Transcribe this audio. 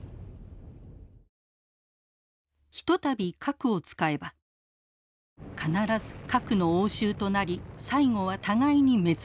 一たび核を使えば必ず核の応酬となり最後は互いに滅亡する。